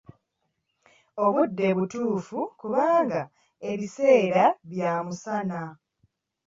Obudde butuufu kubanga ebiseera bya musana.